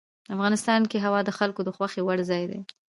افغانستان کې هوا د خلکو د خوښې وړ ځای دی.